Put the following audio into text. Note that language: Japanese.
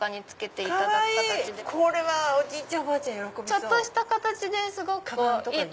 ちょっとした形ですごくいい。